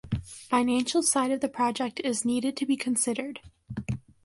Financial side of the project is needed to be considered.